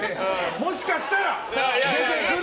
もしかしたら出てくる。